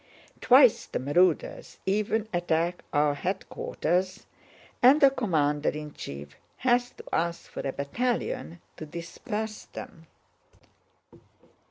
Twice the marauders even attack our headquarters, and the commander in chief has to ask for a battalion to disperse them.